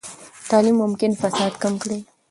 تعلیم ممکن فساد کم کړي.